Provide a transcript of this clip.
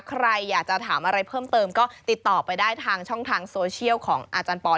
ใครอยากจะถามอะไรเพิ่มเติมก็ติดต่อไปได้ทางช่องทางโซเชียลของอาจารย์ปอย